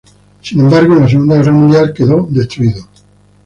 Sin embargo, en la Segunda Guerra Mundial quedó destruido.